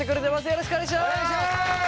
よろしくお願いします。